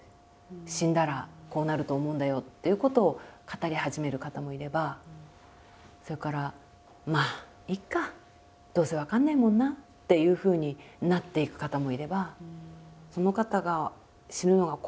「死んだらこうなると思うんだよ」っていうことを語り始める方もいればそれから「まあいっか。どうせ分かんないもんな」っていうふうになっていく方もいれば。